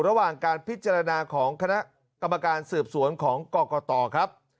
ระหว่างการพิจารณาของคณะกรรมการสืบสวนของกรกตครับ